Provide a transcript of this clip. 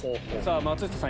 松下さん